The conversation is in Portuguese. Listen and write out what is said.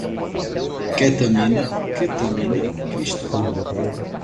ketamina, quetamina, cristal